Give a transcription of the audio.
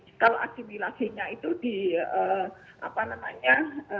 kebetulan yang bersangkutan nanti kalau asimilasinya itu di apa namanya